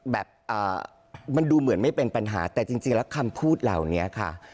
แบบมันดูเหมือนไม่เป็นปัญหาแต่จริงแล้วคำพูดเหล่านี้ค่ะ